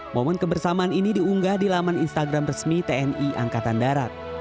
momen kebersamaan ini diunggah di laman instagram resmi tni angkatan darat